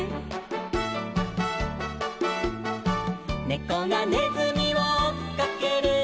「ねこがねずみをおっかける」